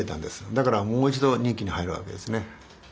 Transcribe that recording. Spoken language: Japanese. だからもう一度任期に入るわけですね。